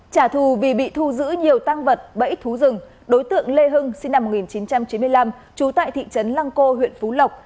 trả thù vì bị thu giữ nhiều tăng vật bẫy thú rừng đối tượng lê hưng sinh năm một nghìn chín trăm chín mươi năm trú tại thị trấn lăng cô huyện phú lộc